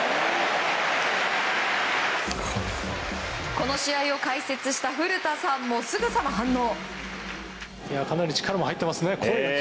この試合を解説した古田さんもすぐさま反応。